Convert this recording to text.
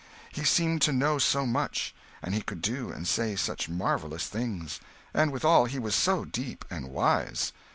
He seemed to know so much! and he could do and say such marvellous things! and withal, he was so deep and wise!